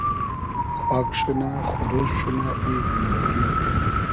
خاگ شونۂ خوروشت شونۂ ای زیندئگی